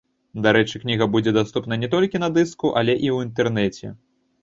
Дарэчы, кніга будзе даступная не толькі на дыску, але і ў інтэрнэце.